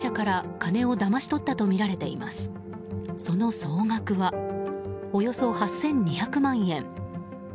その総額はおよそ８２００万円。